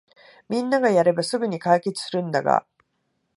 みんながやればすぐに解決するんだが